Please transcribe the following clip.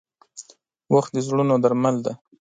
• وخت د زړونو درمل دی.